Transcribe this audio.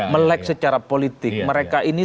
melek secara politik mereka ini